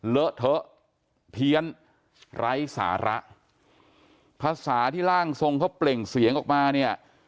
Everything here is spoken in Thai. เลอะเทอะเพี้ยนไร้สาระภาษาที่ร่างทรงเขาเปล่งเสียงออกมาเนี่ย